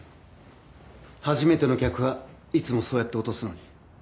初めての客はいつもそうやって落とすのに。